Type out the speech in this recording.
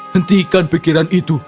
hentikan pikiran itu